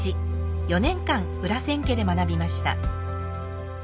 ４年間裏千家で学びました。